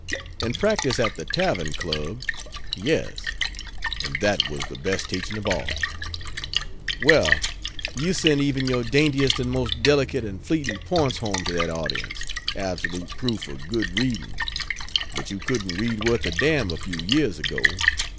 And practice at the Tavern Club? yes; and that was the best teaching of all: Well, you sent even your daintiest and most delicate and fleeting points home to that audience absolute proof of good reading. But you couldn't read worth a damn a few years ago.